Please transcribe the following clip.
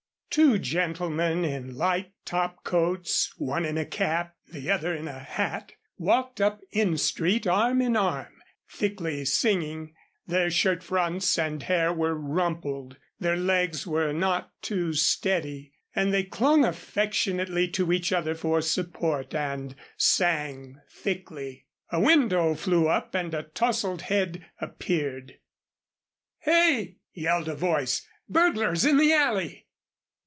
Two gentlemen in light topcoats, one in a cap, the other in a hat, walked up N street arm in arm, thickly singing. Their shirt fronts and hair were rumpled, their legs were not too steady, and they clung affectionately to each other for support and sang thickly. A window flew up and a tousled head appeared. "Hey!" yelled a voice. "Burglars in the alley!"